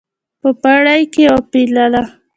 په پړي کې وپېله.